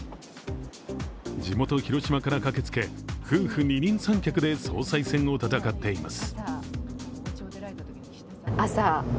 地元・広島から駆けつけ、夫婦二人三脚で総裁選を戦っています。